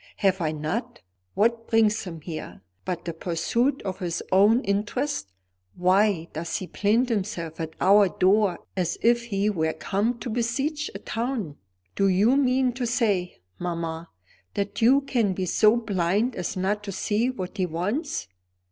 "Have I not? What brings him here, but the pursuit of his own interest? Why does he plant himself at our door as if he were come to besiege a town? Do you mean to say, mamma, that you can be so blind as not to see what he wants?"